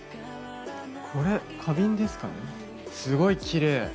これ花瓶ですかねすごいキレイ。